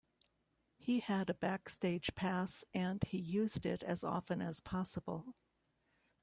He had a backstage pass and he used it as often as possible.